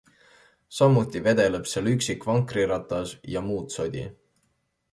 Samuti vedeleb seal üksik vankriratas ja muud sodi.